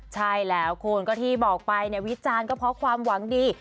ใช่แล้วคุณก็ที่บอกไปวิจารณ์เขาพอความหวังดี